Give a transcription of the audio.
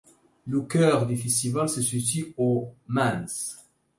Le cœur du festival se situe au Mans.